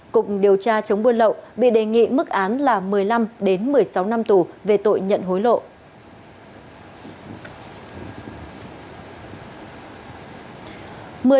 cục điều tra chống buôn lậu bị đề nghị mức án là một mươi năm một mươi sáu năm tù về tội nhận hối lộ